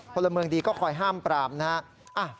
พลเมืองดีก็คอยห้ามปรามนะฮะ